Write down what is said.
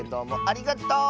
ありがとう！